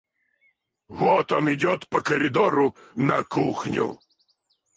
Вот он идет по коридору на кухню.